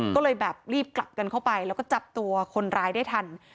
ก็เลยแบบรีบกลับกันเข้าไปแล้วก็จับตัวคนร้ายได้ทัน